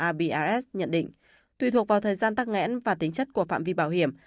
abs nhận định tùy thuộc vào thời gian tắc nghẽn và tính chất của phạm vi bảo hiểm